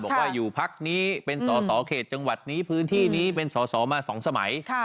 บอกว่าอยู่พักนี้เป็นสอสอเขตจังหวัดนี้พื้นที่นี้เป็นสอสอมา๒สมัย